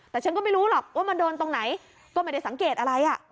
แต่ฉันก็ไม่รู้หรอกว่ามันโดนตรงไหนก็ไม่ได้สังเกตอะไร